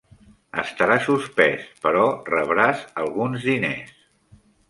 Estaràs suspès, però rebràs alguns diners.